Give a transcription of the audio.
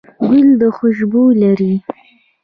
ګل خوشبو لري